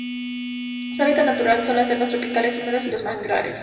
Su hábitat natural son las selvas tropicales húmedas y los manglares.